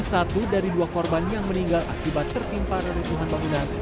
satu dari dua korban yang meninggal akibat tertimpa reruntuhan bangunan